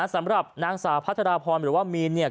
สำหรับนางสาวพัทรพรหรือว่ามีนเนี่ย